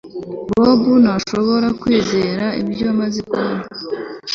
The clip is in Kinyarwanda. Bobo ntashobora kwizera ibyo amaze kubona